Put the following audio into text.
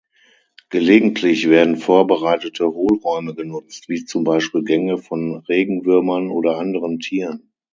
Gelegentlich werden vorbereitete Hohlräume genutzt, wie zum Beispiel Gänge von Regenwürmern oder anderen Tieren.